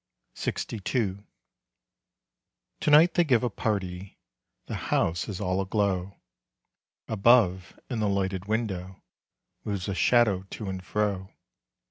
LXII. To night they give a party, The house is all a glow. Above, in the lighted window, Moves a shadow to and fro.